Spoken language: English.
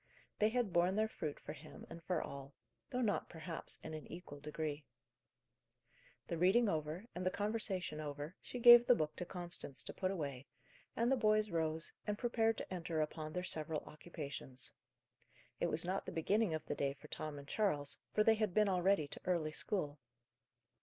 They had borne their fruit for him, and for all: though not, perhaps, in an equal degree. The reading over, and the conversation over, she gave the book to Constance to put away, and the boys rose, and prepared to enter upon their several occupations. It was not the beginning of the day for Tom and Charles, for they had been already to early school.